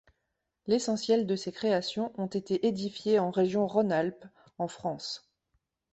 L'essentiel de ses créations ont été édifiées en région Rhône-Alpes, en France.